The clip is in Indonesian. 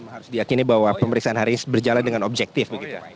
harus diakini bahwa pemeriksaan hari ini berjalan dengan objektif begitu